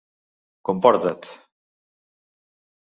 Comporta't!